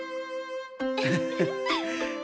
フフフフ。